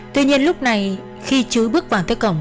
tuy nhiên lúc này khi chú bước vào tới cổng